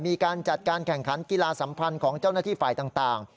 มีการจัดการแข่งขันกีฬาสัมพันธ์ของเจ้าหน้าที่ฝ่ายต่าง